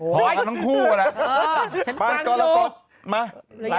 พอแล้วทั้งคู่ก่อนนะ